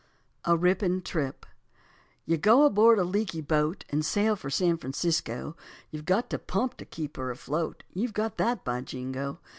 A RIPPING TRIP You go aboard a leaky boat And sail for San Francisco, You've got to pump to keep her afloat, You've got that, by jingo!